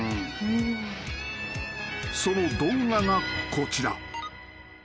［その動画がこちら］